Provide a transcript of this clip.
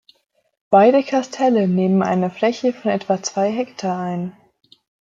Beide Kastelle nehmen eine Fläche von etwa zwei Hektar ein.